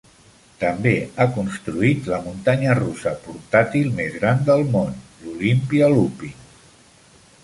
També ha construït la muntanya russa portàtil més gran del món, l'Olympia Looping.